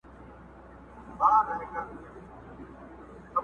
.!او د شپېلۍ آواز به غونډي درې وڅيرلې.!